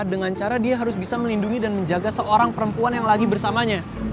dengan cara dia harus bisa melindungi dan menjaga seorang perempuan yang lagi bersamanya